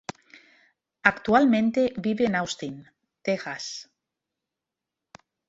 Actualmente vive en Austin, Texas.